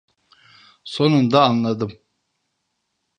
Sonunda anladım.